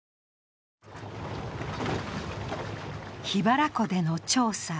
桧原湖での調査